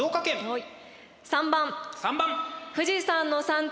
はい！